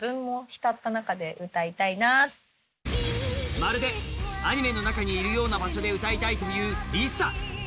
まるでアニメの中にいるような場所で歌いたいというＬｉＳＡ。